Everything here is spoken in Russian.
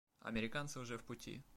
Американцы уже в пути.